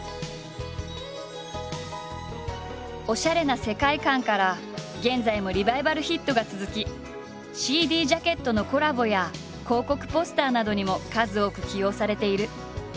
おしゃれな世界観から現在もリバイバルヒットが続きＣＤジャケットのコラボや広告ポスターなどにも数多く起用されている。